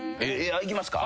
いきますか。